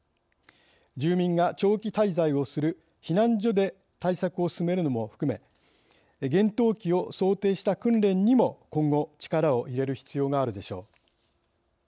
住民が長期間滞在をする避難所で対策を進めるのも含め厳冬期を想定した訓練にも今後力を入れる必要があるでしょう。